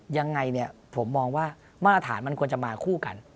ยังไงเนี่ยผมมองว่ามาตรฐานมันควรจะมาคู่กัน